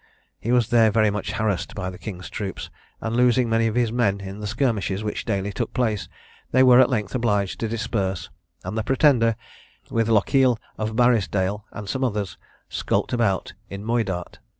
He was there very much harassed by the King's troops, and losing many of his men in the skirmishes which daily took place, they were at length obliged to disperse; and the Pretender, with Lochiel of Barrisdale and some others, skulked about in Moidart.